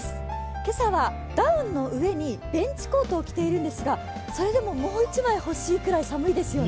今朝はダウンの上にベンチコートを着ているんですが、それでももう１枚欲しいぐらい寒いですよね。